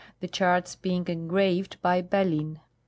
the charts being engraved by Bellin.